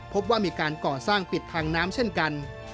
พบว่ามีการก่อสร้างปิดทางน้ำเช่นกัน